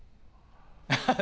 アハハハ